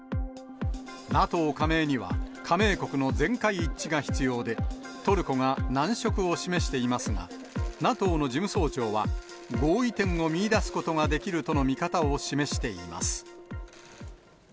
ＮＡＴＯ加盟には、加盟国の全会一致が必要で、トルコが難色を示していますが、ＮＡＴＯの事務総長は、合意点を見いだすことができるとの見方を示しています。